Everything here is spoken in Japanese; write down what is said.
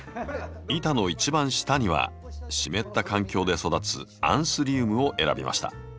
板の一番下には湿った環境で育つアンスリウムを選びました。